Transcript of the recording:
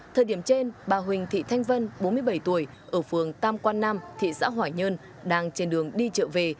thời điểm trên bà huỳnh thị thanh vân bốn mươi bảy tuổi ở phường tam quan nam thị xã hoài nhơn đang trên đường đi trợ về